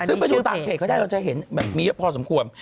ซึ่งไปดูต่างเพจเขาได้เราจะเห็นแบบมีเยอะพอสมควร